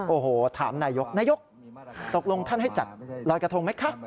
โอ้โหถามนายกนายกตกลงท่านให้จัดลอยกระทงไหมคะ